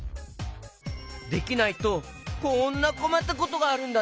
できないとこんなこまったことがあるんだね。